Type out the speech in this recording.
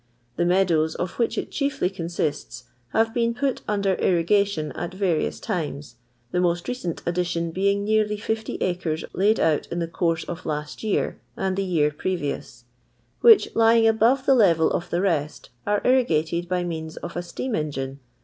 The meadows of which it chiefly con sists have been pat nnder irrigation at rariou times, the most recent addition being neariy oO acres bid out in the course of last year and tht year previous, which, lying abore the lerel of the rest, are irrigated by means of a Bteam en&ir.e.